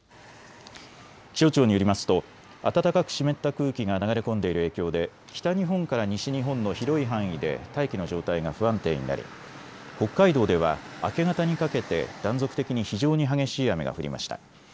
気象庁によりますと暖かく湿った空気が流れ込んでいる影響で北日本から西日本の広い範囲で大気の状態が不安定になり、北海道では明け方にかけて断続的に非常に激しい雨が降りました。